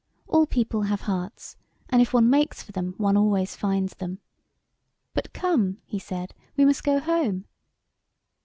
All people have hearts, and if one makes for them one always finds them. But come," he said, "we must go home."